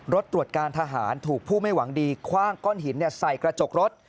รถตรวจการทหารถูกผู้ไม่หวังดีคว่างก้อนหินใส่กระจกรถ